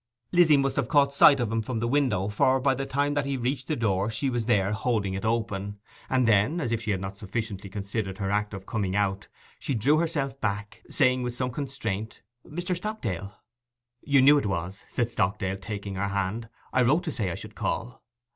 Lizzy must have caught sight of him from the window, for by the time that he reached the door she was there holding it open: and then, as if she had not sufficiently considered her act of coming out, she drew herself back, saying with some constraint, 'Mr. Stockdale!' 'You knew it was,' said Stockdale, taking her hand. 'I wrote to say I should call.